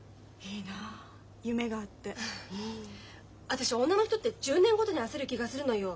私女の人って１０年ごとに焦る気がするのよ。